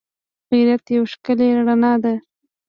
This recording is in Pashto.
غیرت یوه ښکلی رڼا ده